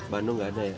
bandung enggak ada ya